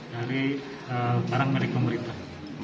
dari barang mereka melipat